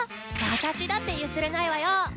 私だって譲れないわよ！